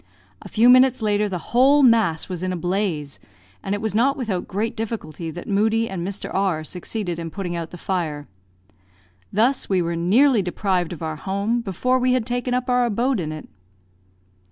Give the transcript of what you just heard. A few minutes after, the whole mass was in a blaze, and it was not without great difficulty that Moodie and Mr. R succeeded in putting out the fire. Thus were we nearly deprived of our home before we had taken up our abode in it.